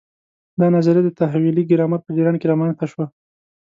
دا نظریه د تحویلي ګرامر په جریان کې رامنځته شوه.